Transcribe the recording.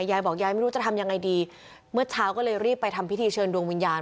ยายบอกยายไม่รู้จะทำยังไงดีเมื่อเช้าก็เลยรีบไปทำพิธีเชิญดวงวิญญาณ